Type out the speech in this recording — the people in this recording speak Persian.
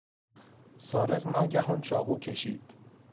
سارق ناگهان چاقو کشید.